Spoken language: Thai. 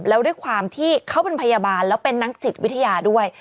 แล้วด้วยความที่เขาเป็นพยาบาลแล้วเป็นนักจิตวิทยาด้วย